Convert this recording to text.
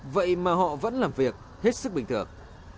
vậy mà họ vẫn làm việc hết sức bình thường